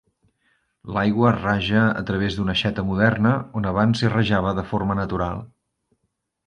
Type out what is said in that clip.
L'aigua raja a través d'una aixeta moderna on abans hi rajava de forma natural.